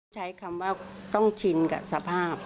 ใช้คำว่าต้องชินกับสภาพ